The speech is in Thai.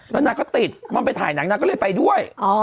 แล้วนางก็ติดมันไปถ่ายหนังนางก็เลยไปด้วย